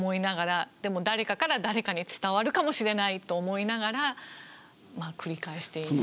でも誰かから誰かに伝わるかもしれないと思いながらまあ繰り返していますね。